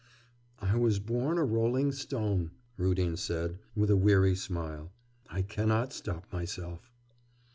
'I was born a rolling stone,' Rudin said, with a weary smile. 'I cannot stop myself.